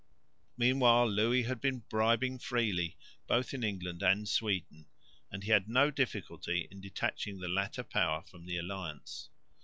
Meanwhile Louis had been bribing freely both in England and Sweden, and he had no difficulty in detaching the latter power from the Alliance.